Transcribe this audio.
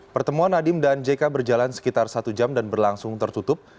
pertemuan nadiem dan jk berjalan sekitar satu jam dan berlangsung tertutup